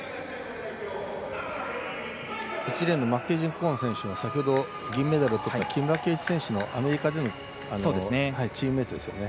１レーンのマッケンジー・コーン選手は先ほど、銀メダルとった木村敬一選手のアメリカでのチームメートです。